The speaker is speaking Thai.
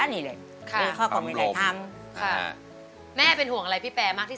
นี่เลยเค้าก็อกลมทำแม่เป็นห่วงอะไรที่แปรมากที่